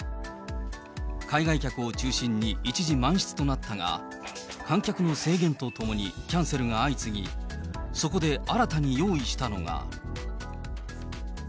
海外客を中心に、一時満室となったが、観客の制限とともに、キャンセルが相次ぎ、そこで新たに用意したのが。